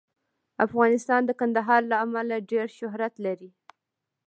افغانستان د کندهار له امله ډېر شهرت لري.